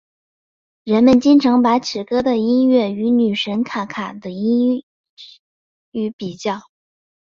人们经常把此歌的音乐与女神卡卡的歌曲比较。